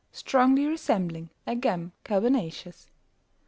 Strongly resembling a gem carbonaceous.